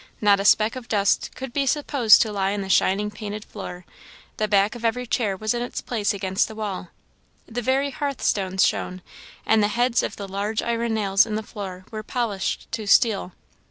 Not a speck of dust could be supposed to lie on the shining painted floor; the back of every chair was in its place against the wall. The very hearth stones shone, and the heads of the large iron nails in the floor were polished to steel.